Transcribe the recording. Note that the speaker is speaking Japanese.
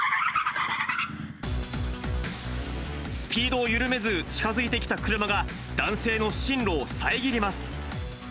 スピードを緩めず近づいてきた車が、男性の進路を遮ります。